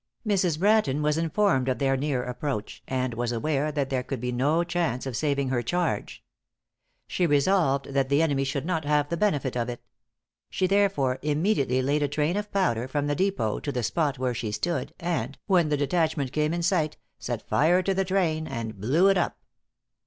Mrs. Bratton was informed of their near approach, and was aware that there could be no chance of saving her charge. She resolved that the enemy should not have the benefit of it. She therefore immediately laid a train of powder from the depot to the spot where she stood, and, when the detachment came in sight, set fire to the train, and blew it up.